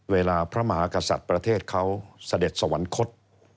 พระมหากษัตริย์ประเทศเขาเสด็จสวรรคต